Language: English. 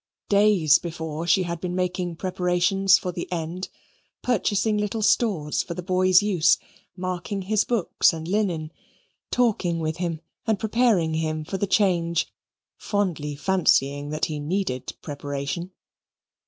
Days before she had been making preparations for the end, purchasing little stores for the boy's use, marking his books and linen, talking with him and preparing him for the change fondly fancying that he needed preparation.